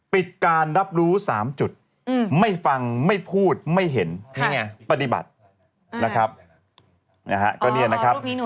ปิดการรับรู้๓จุดไม่ฟังไม่พูดไม่เห็นปฏิบัตินะครับนะฮะก็เนี่ยนะครับ